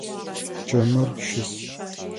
Чэмыр щыс.